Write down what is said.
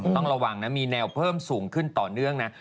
ต้องระวังนะมีแนวเพิ่มสูงขึ้นต่อเนื่องนะ